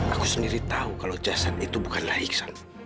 aku sendiri tahu kalau jasad itu bukanlah iksan